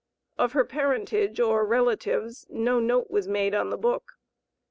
Of her parentage or relatives no note was made on the book.